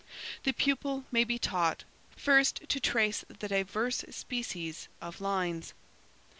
"The pupil may be taught: First, to trace the diverse species of lines.